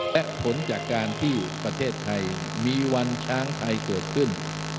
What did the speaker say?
และผลจากการที่ประเทศไทยมีวันช้างไทยเกิดขึ้น